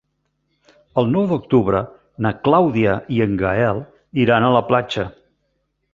El nou d'octubre na Clàudia i en Gaël iran a la platja.